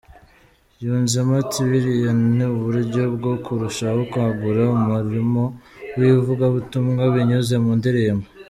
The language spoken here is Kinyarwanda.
Yunzemo ati” Biriya ni uburyo bwo kurushaho kwagura umurimo w’ivugabutumwa binyuze mu ndirimbo.